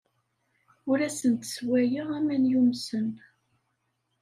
Ur asent-sswayeɣ aman yumsen.